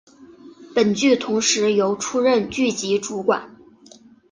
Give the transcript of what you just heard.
本剧同时由出任剧集主管。